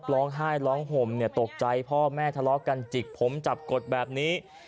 ร้องไห้ร้องห่มตกใจพ่อแม่ทะเลาะกันจิกผมจับกดแบบนี้